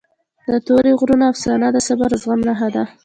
د تورې غرونو افسانه د صبر او زغم نښه ده.